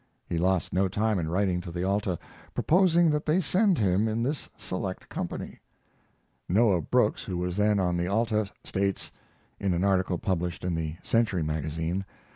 He lost no time in writing to the Alta, proposing that they send him in this select company. Noah Brooks, who was then on the Alta, states [In an article published in the Century Magazine.